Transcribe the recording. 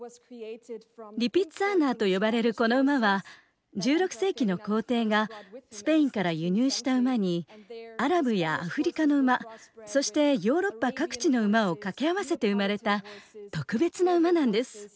リピッツァーナーと呼ばれるこの馬は１６世紀の皇帝がスペインから輸入した馬にアラブやアフリカの馬そしてヨーロッパ各地の馬を掛け合わせて生まれた特別な馬なんです。